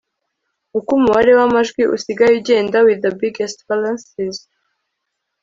uko umubare w amajwi usigaye ugenda with the biggest balances